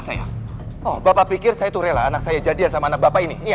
saya bapak pikir saya tuh rela anak saya jadian sama anak bapak ini ya